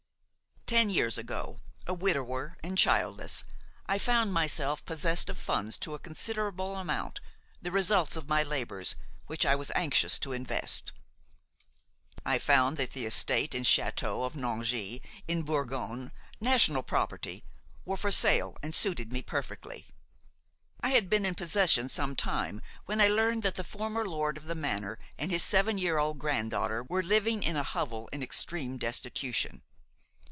Ten years ago, a widower and childless, I found myself possessed of funds to a considerable amount, the results of my labors, which I was anxious to invest. I found that the estate and château of Nangy in Bourgogne, national property, were for sale and suited me perfectly. I had been in possession some time when I learned that the former lord of the manor and his seven year old granddaughter were living in a hovel, in extreme destitution.